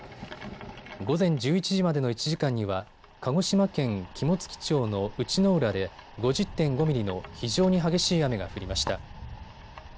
午前１１時までの１時間には鹿児島県肝付町の内之浦で５０．５ミリの非常に激しい雨が降りました。